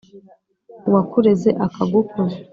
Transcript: uwakureze akagukuza,